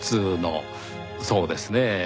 そうですねぇ。